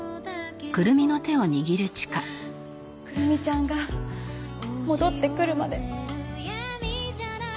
くるみちゃんが戻ってくるまで。